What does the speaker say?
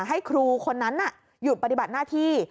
ให้ครูคนนั้นหยุดปฏิบัติหน้าที่